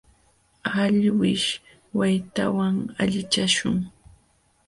Alwish waytawan allichashun.